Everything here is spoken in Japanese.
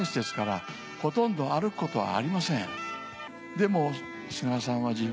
でも。